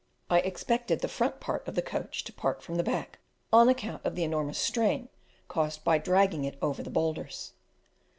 I expected the front part of the coach to part from the back, on account of the enormous strain caused by dragging it over the boulders.